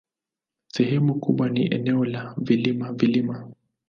Sehemu kubwa ni eneo la vilima-vilima.